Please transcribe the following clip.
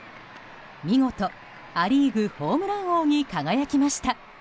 見事、ア・リーグホームラン王に輝きました。